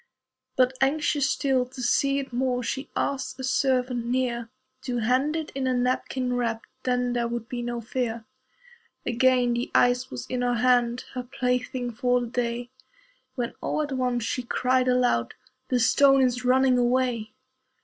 But, anxious still to see it more, She asked a servant near To hand it in a napkin wrapped Then there would be no fear. Again the ice was in her hand, Her plaything for the day, When all at once she cried aloud, "The stone is running away."